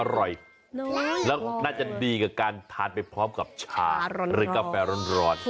อร่อยมากแล้วน่าจะดีกับการทานไปพร้อมกับชาหรือกาแฟร้อน